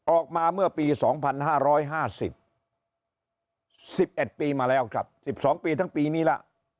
ออกมาเมื่อปี๒๕๕๐๑๑ปีมาแล้วครับ๑๒ปีทั้งปีนี้ละ